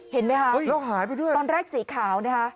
เห็นไหมครับตอนแรกสีขาวนะคะ